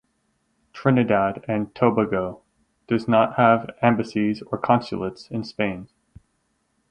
Trinidad and Tobago does not have embassies or consulates in Spain.